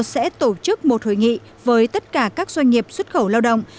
sẽ tổ chức một hội nghị với tất cả các doanh nghiệp xuất khẩu lao động